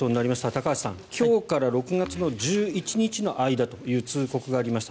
高橋さん、今日から６月の１１日の間という通告がありました。